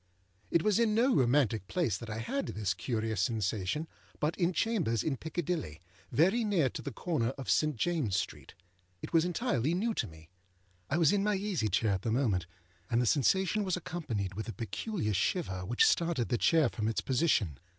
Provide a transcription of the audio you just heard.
It was in no romantic place that I had this curious sensation, but in chambers in Piccadilly, very near to the corner of St. Jamesâs Street. It was entirely new to me. I was in my easy chair at the moment, and the sensation was accompanied with a peculiar shiver which started the chair from its position.